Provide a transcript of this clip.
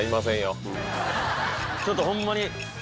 ちょっとホンマに。